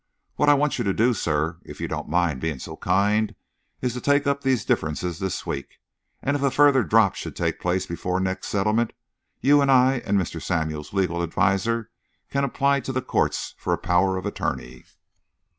What I want you to do, sir, if you don't mind being so kind, is to take up these differences this week, and if a further drop should take place before next settlement, you and I and Mr. Samuel's legal adviser can apply to the Courts for a power of attorney."